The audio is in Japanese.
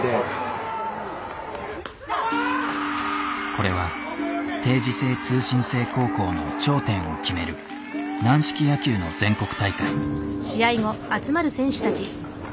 これは定時制通信制高校の頂点を決める軟式野球の全国大会。